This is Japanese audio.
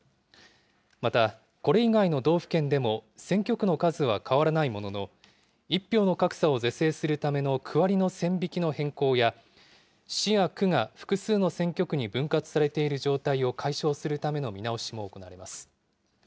また、これ以外の道府県でも、選挙区の数は変わらないものの、１票の格差を是正するための区割りの線引きの変更や、市や区が複数の選挙区に分割されている状態を解消するための見直しも行われます。